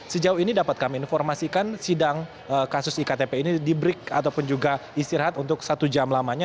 sejauh ini dapat kami informasikan sidang kasus iktp ini di break ataupun juga istirahat untuk satu jam lamanya